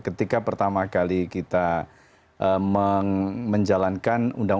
ketika pertama kali kita menjalankan undang undang